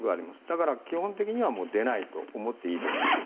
だから基本的には出ないと思っていいと思います。